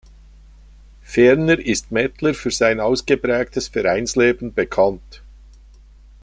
Ferner ist Methler für sein ausgeprägtes Vereinsleben bekannt.